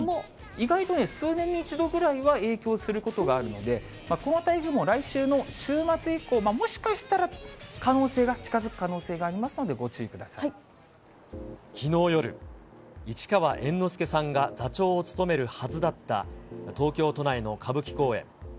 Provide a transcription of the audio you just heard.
意外と数年に１度ぐらいは影響することがあるので、この台風も来週の週末以降、もしかしたら、可能性が、近づく可能性がありますので、きのう夜、市川猿之助さんが座長を務めるはずだった東京都内の歌舞伎公演。